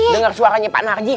dengar suaranya pak narci